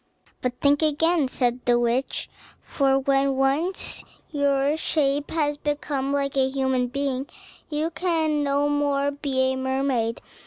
"But think again," said the witch; "for when once your shape has become like a human being, you can no more be a mermaid.